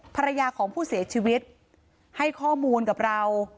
ภรรยาของผู้เสียชีวิตให้ข้อมูลกับเรา